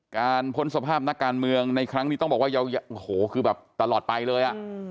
พ้นสภาพนักการเมืองในครั้งนี้ต้องบอกว่าโอ้โหคือแบบตลอดไปเลย